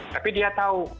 tapi dia tahu